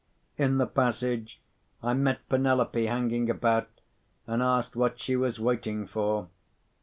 In the passage, I met Penelope hanging about, and asked what she was waiting for.